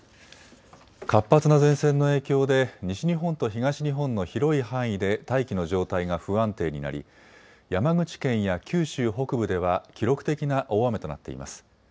活発な前線の影響で西日本と東日本の広い範囲で大気の状態が不安定になり山口県や九州北部では記録的な大雨となっています。